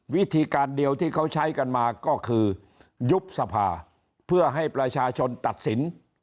วิธีการเดียวที่เขาใช้กันมาก็คือยุบสภาเพื่อให้ประชาชนตัดสิน